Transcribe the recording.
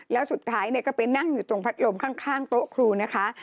แล้วสุดท้ายก็ไปนั่งอยู่ตรงพัดลมข้างโต๊ะครูนะคะ